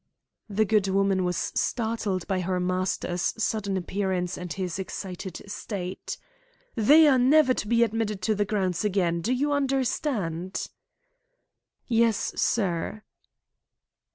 The good woman was startled by her master's sudden appearance and his excited state. "They are never to be admitted to the grounds again. Do you understand?" "Yes, sir."